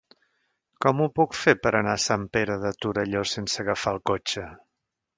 Com ho puc fer per anar a Sant Pere de Torelló sense agafar el cotxe?